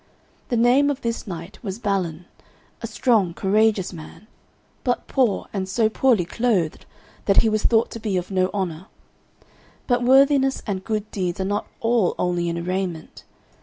The name of this knight was Balin, a strong, courageous man, but poor and so poorly clothed that he was thought to be of no honour. But worthiness and good deeds are not all only in arrayment.